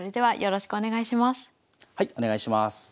はいお願いします。